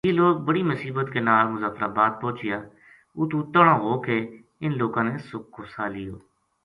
یہ لوک بڑی مصیبت کے نال مظفر آباد پوہچیا اُتو تنہاں ہو کے اِنھ لوکاں نے سُکھ کو ساہ لیو